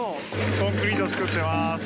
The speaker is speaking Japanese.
コンクリート作ってます。